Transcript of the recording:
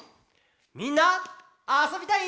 みんなあそびたい？